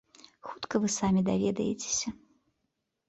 Хутка вы самі даведаецеся.